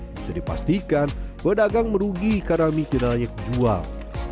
bisa dipastikan berdagang merugi karena mie tidak banyak dijual